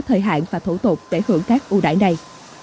thời hạn và thủ tục để hưởng các ưu đại này